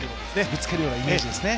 ぶつけるようなイメージですね。